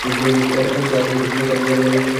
এতে আশেপাশের কারো ক্ষতি হবে নাতো?